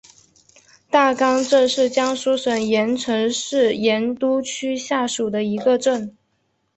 大冈镇是江苏省盐城市盐都区下属的一个镇。